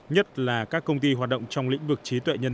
nhất là các công ty hoạt động trong lĩnh vực trí tuệ nhân